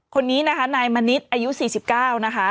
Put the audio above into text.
คนนี้นะคะนายมณิษฐ์อายุ๔๙นะคะ